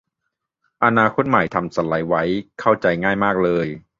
อนาคตใหม่ทำสไลด์ไว้เข้าใจง่ายมากเลย